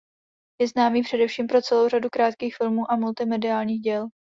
Je známý především pro celou řadu krátkých filmů a multimediálních děl.